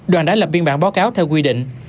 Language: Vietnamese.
đoàn đã lập biên bản báo cáo theo quy định